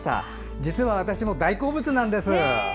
実は私も大好物なんです。